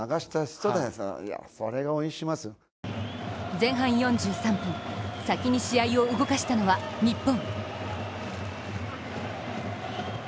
前半４３分、先に試合を動かしたのは日本。